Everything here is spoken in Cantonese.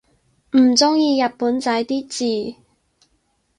唔中意日本仔啲字